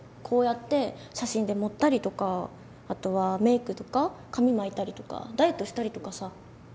こうやって写真で盛ったりとかあとはメイクとか髪巻いたりとかダイエットしたりとかさ。